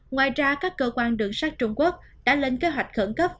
ngoài ra các cơ quan đường sát trung quốc đã lên kế hoạch khẩn cấp